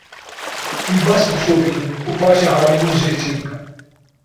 Wî baş bişopînin û paşê hayê min jê çêbike.